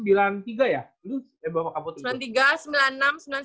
beda tiga tahun tiga tahun tiga tahun